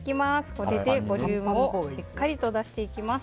これでボリュームをしっかりと出していきます。